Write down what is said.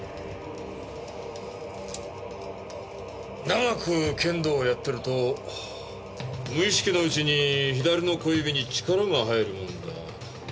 長く剣道をやってると無意識のうちに左の小指に力が入るもんだ。